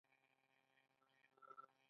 عزت، ملګري او باور بیا لاسته راوړل سخت دي.